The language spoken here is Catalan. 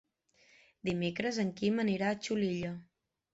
Dimecres en Quim anirà a Xulilla.